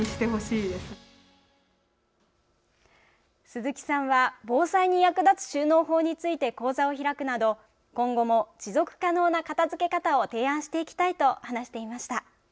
鈴木さんは、防災に役立つ収納法について講座を開くなど今後も持続可能な片づけ方を提案していきたいと話していました。